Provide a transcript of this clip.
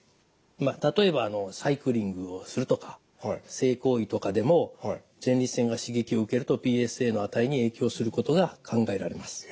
例えばサイクリングをするとか性行為とかでも前立腺が刺激を受けるとＰＳＡの値に影響することが考えられます。